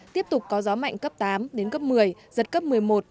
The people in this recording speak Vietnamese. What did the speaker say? tiếp tục có gió mạnh cấp tám đến cấp một mươi giật cấp một mươi một một mươi ba